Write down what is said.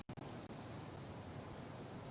tiga proses penyelidikan dan penyidikan masih terus berjalan